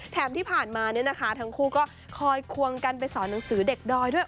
ที่ผ่านมาเนี่ยนะคะทั้งคู่ก็คอยควงกันไปสอนหนังสือเด็กดอยด้วย